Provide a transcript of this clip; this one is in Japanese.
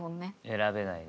選べないね。